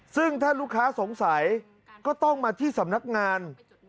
ซึ่งถ้าลูกค้าสงสัยก็ต้องมาที่สำนักงาน